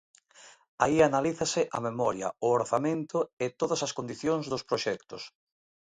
Aí analízase a memoria, o orzamento e todas as condicións dos proxectos.